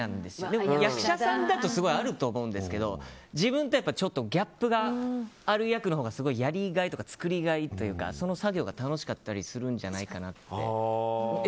でも役者さんだとすごいあると思うんですけど自分とギャップがある役のほうがやりがいとか、作りがいというかその作業が楽しかったりするんじゃないかなって。